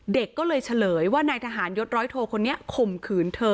เด็กก็เลยเฉลยว่านายทหารยศร้อยโทคนนี้ข่มขืนเธอ